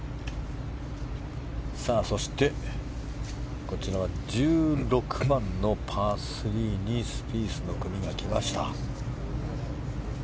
そして、こちらは１６番のパー３にスピースの組が来ました。